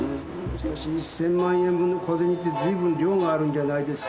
しかし「１，０００万円分の小銭」ってずいぶん量があるんじゃないですか？